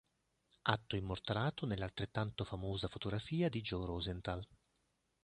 Atto immortalato nell'altrettanto famosa fotografia di Joe Rosenthal.